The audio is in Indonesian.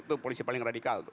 itu polisi paling radikal tuh